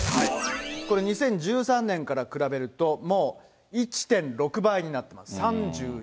これ、２０１３年から比べると、もう１．６倍になってます。